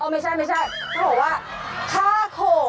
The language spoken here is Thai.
ไม่ใช่เขาบอกว่าค่าโค